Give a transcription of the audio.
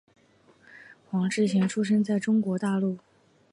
黄志贤出生在中国大陆。